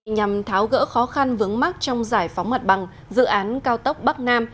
nhằm tháo gỡ khó khăn vướng mắt trong giải phóng mặt bằng dự án cao tốc bắc nam